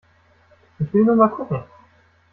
Ich will nur mal gucken!